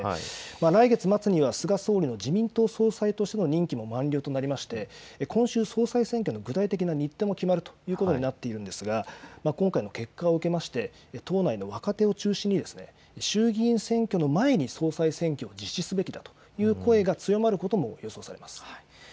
来月末には菅総理の自民党総裁としての任期も満了となり今週、総裁選挙の具体的な日程も決まるということになっていますが今回の結果を受けて党内の若手を中心に衆議院選挙の前に総裁選挙を実施すべきだという声が強まることも予想されます。